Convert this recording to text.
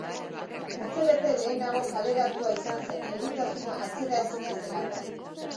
Urtebete lehenago kaleratua izan zen eritasuna atzeraezina zelako.